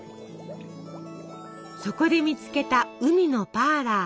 そこで見つけた海のパーラー。